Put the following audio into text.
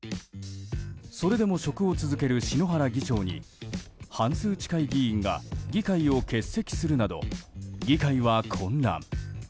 それでも職を続ける篠原議長に半数近い議員が議会を欠席するなど議会は混乱。